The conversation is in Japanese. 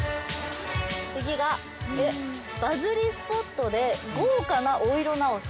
次がバズりスポットで豪華なお色直し。